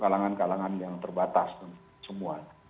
kalangan kalangan yang terbatas semua